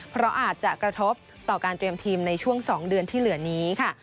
เพราะอาจจะกระทบต่อการเตรียมทีมในช่วง๒เดือนที่เหลือนี้ค่ะ